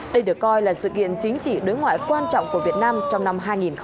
đây được coi là sự kiện chính trị đối ngoại quan trọng của việt nam trong năm hai nghìn hai mươi